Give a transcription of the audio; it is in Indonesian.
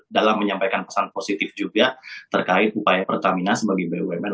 dalam menyampaikan pesan positif juga terkait upaya pertamina sebagai bumn